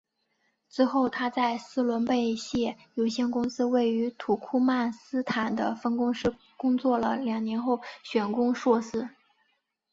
之后她在斯伦贝谢有限公司位于土库曼斯坦的分公司工作了两年后选攻硕士。